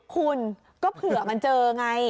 คุณก็เผื่อมันเจอไง